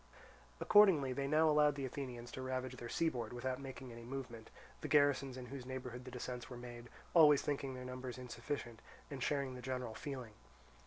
Accordingly they now allowed the Athenians to ravage their seaboard, without making any movement, the garrisons in whose neighbourhood the descents were made always thinking their numbers insufficient, and sharing the general feeling.